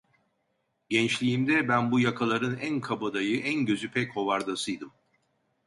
Gençliğimde ben bu yakaların en kabadayı, en gözü pek hovardasıydım.